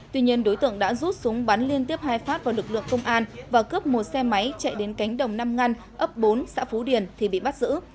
tuy nhiên đối tượng đã rút súng bắn liên tiếp hai phát vào lực lượng công an và cướp một xe máy chạy đến cánh đồng năm ngăn ấp bốn xã phú điền thì bị bắt giữ